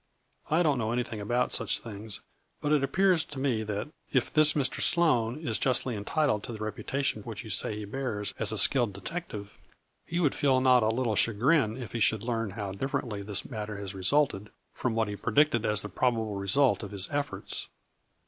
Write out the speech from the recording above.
I don't know anything about such things, but it appears to me that, if this Mr. Sloane is justly entitled to the reputation which you say he bears as a skilled detective, he would feel not a little cha grin if he should learn how differently this matter has resulted from what he predicted as the probable result of his efforts.